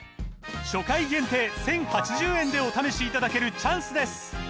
初回限定１，０８０円でお試しいただけるチャンスですお申込みは